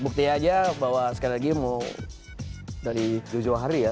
bukti aja bahwa sekali lagi mau dari tujuh hari ya